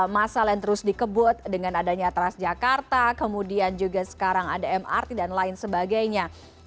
masalah yang terus dikebut dengan adanya transjakarta kemudian juga sekarang ada mrt dan lain sebagainya